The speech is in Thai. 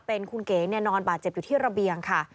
เป็นคุณเก๋นอนบาดเจ็บอยู่ที่ระเบียงค่ะ